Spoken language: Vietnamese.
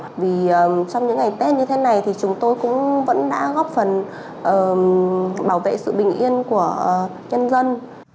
bởi vì trong những ngày tết như thế này thì chúng tôi cũng vẫn đã góp phần bảo vệ sự bình yên của nhân dân